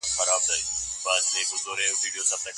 اوسپنه بې اوره نه نرمیږي.